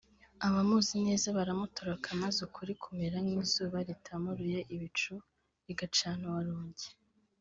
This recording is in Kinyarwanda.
abamuzi neza baramutoroka maze ukuri kumera nk’izuba ritamuruye ibicu rigacana uwarugi